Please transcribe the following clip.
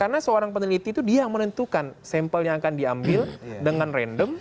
karena seorang peneliti itu dia yang menentukan sampel yang akan diambil dengan random